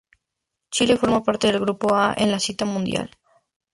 Chile forma parte del Grupo A en la cita mundial.